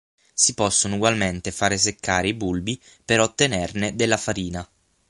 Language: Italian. Si possono ugualmente fare seccare i bulbi per ottenerne della farina.